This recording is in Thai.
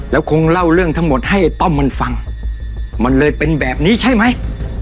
แล้วคงเล่าเรื่องทั้งหมดให้ไอ้ต้อมมันฟังมันเลยเป็นแบบนี้ใช่ไหม